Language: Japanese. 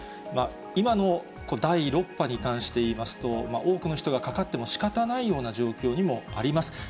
今の第６波に関していいますと、多くの人がかかってもしかたないような状況にもあります。